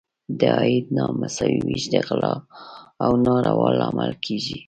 د عاید نامساوي ویش د غلا او نارواوو لامل کیږي.